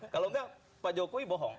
kalau enggak pak jokowi bohong